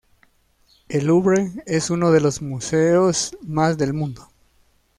El Louvre es uno de los museos más del mundo.